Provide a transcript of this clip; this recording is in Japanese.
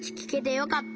よかった。